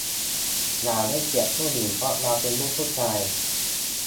อย่าให้เกียรติผู้หญิงเพราะเราเป็นลูกผู้ชาย